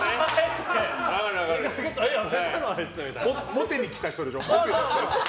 モテに来た人でしょ。